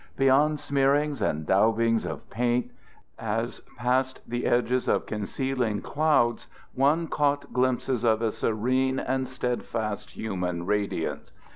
Beyond smearings and daubings of paint, as past the edges of concealing clouds, one caught glimpses of a serene and steadfast human radiance.